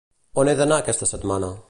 On he d'anar aquesta setmana?